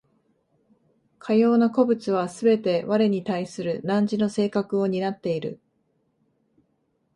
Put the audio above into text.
かような個物はすべて我に対する汝の性格を担っている。